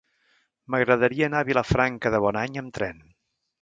M'agradaria anar a Vilafranca de Bonany amb tren.